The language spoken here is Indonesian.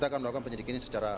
nunggu perintah semuanya